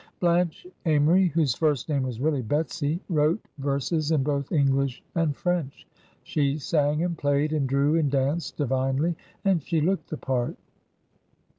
Blanche Amory, whose first name was really Betsy, wrote verses in both English and French; she sang and played and drew and danced divinely, and she looked the part.